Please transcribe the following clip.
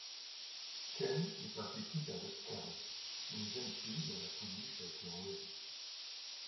Ken y participe avec Carey, une jeune fille dont la pouliche a été enlevée.